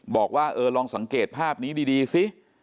บอกว่าเออลองสังเกตภาพนี้ดีซิ